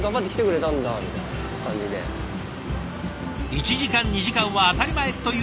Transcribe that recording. １時間２時間は当たり前という橋さん。